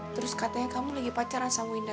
terus katanya kamu lagi pacaran sama winda